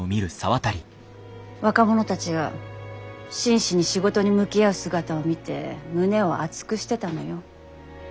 若者たちが真摯に仕事に向き合う姿を見て胸を熱くしてたのよ。